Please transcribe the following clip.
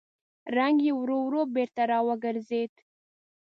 رنګ يې ورو ورو بېرته راوګرځېد.